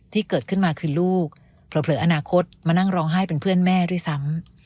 ที่เกิดขึ้นมาคือลูกเผลออนาคตมานั่งร้องไห้เป็นเพื่อนแม่ด้วยซ้ำ